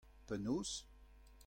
Penaos ?